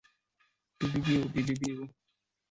该站在建设阶段曾称北土城东路站。